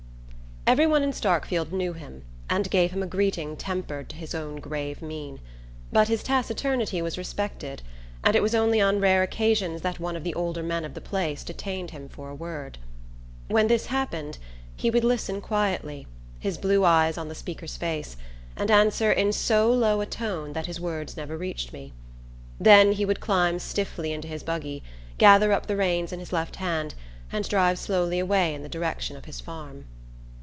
Every one in Starkfield knew him and gave him a greeting tempered to his own grave mien; but his taciturnity was respected and it was only on rare occasions that one of the older men of the place detained him for a word. When this happened he would listen quietly, his blue eyes on the speaker's face, and answer in so low a tone that his words never reached me; then he would climb stiffly into his buggy, gather up the reins in his left hand and drive slowly away in the direction of his farm.